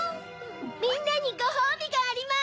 みんなにごほうびがあります！